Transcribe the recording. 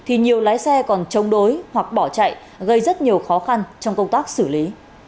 đều lái xe còn chống đối hoặc bỏ chạy gây rất nhiều khó khăn trong công tác xử lý